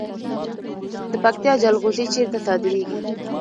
د پکتیا جلغوزي چیرته صادریږي؟